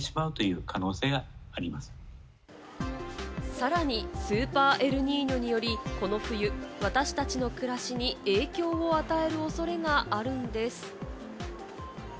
さらにスーパーエルニーニョにより、この冬、私達の暮らしに影響を与える恐れがあるんです。